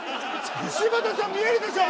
柴田さん見えるでしょ？